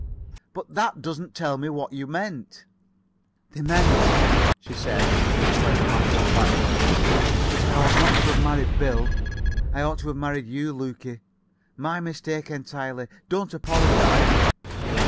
"But that doesn't tell me what you meant." "They meant," she said in a plain, matter of fact way, "that I ought not to have married Bill. I ought to have married you, Lukie. My mistake entirely. Don't apologize."